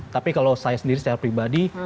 tapi kalau saya sendiri secara pribadi